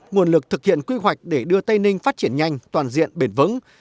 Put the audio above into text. nguồn lực thực hiện quy hoạch để đưa tây ninh phát triển nhanh toàn diện bền vững